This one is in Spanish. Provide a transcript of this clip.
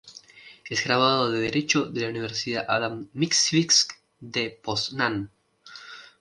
Es graduado de derecho de la Universidad Adam Mickiewicz de Poznań.